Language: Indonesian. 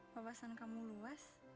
bapak san kamu luas